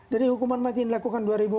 hukuman mati yang dilakukan dua ribu empat belas